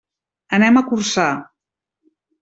Anem a Corçà.